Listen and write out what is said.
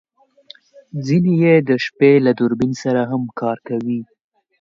ځینې یې د شپې له دوربین سره هم کار کوي